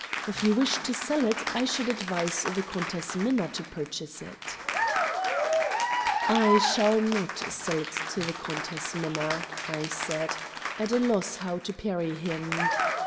If you wish to sell it I should advise the Countess Minna to purchase it." "I shall not sell it to the Countess Minna," I said, at a loss how to parry him.